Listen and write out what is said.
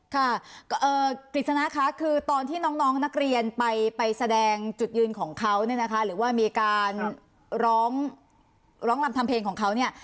ค่ะกฤษณะคะคือตอนที่น้องนักเรียนไปแสดงจุดยืนของเขาเนี่ยนะคะหรือว่ามีการร้องร้องรำทำเพลงของเขาเนี่ย